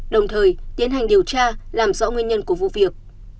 đồng thời tiến hành điều tra làm rõ nguyên nhân của vụ việc